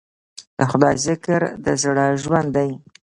د خدای ذکر د زړه ژوند دی.